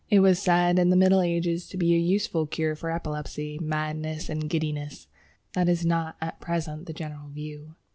It was said in the Middle Ages to be a useful cure for apoplexy, madness, and giddiness. That is not at present the general view.